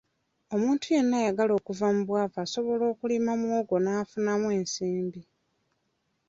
Omuntu yenna ayagala okuva mu bwavu asobola okulima muwogo n'afunamu ensimbi.